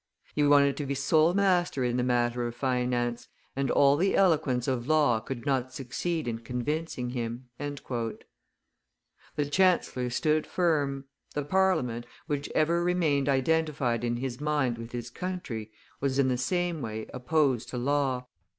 He wanted to be sole master in the matter of finance, and all the eloquence of Law could not succeed in convincing him." The chancellor stood firm; the Parliament, which ever remained identified in his mind with his country, was in the same way opposed to Law.